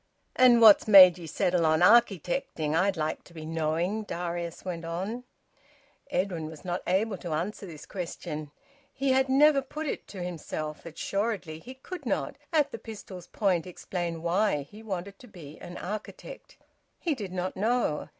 "And what's made ye settle on architecting, I'd like to be knowing?" Darius went on. Edwin was not able to answer this question. He had never put it to himself. Assuredly he could not, at the pistol's point, explain why he wanted to be an architect. He did not know.